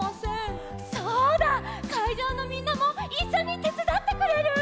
そうだ！かいじょうのみんなもいっしょにてつだってくれる？